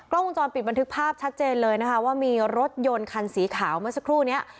วงจรปิดบันทึกภาพชัดเจนเลยนะคะว่ามีรถยนต์คันสีขาวเมื่อสักครู่นี้